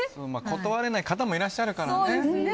断れない方もいらっしゃるからね。